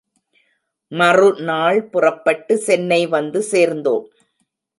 மறுநாள் புறப்பட்டு சென்னை வந்து சேர்ந்தோம்.